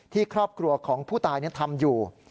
ครอบครัวของผู้ตายทำอยู่